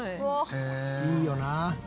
いいよな。